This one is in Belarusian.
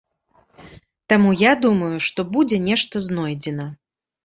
Таму я думаю, што будзе нешта знойдзена.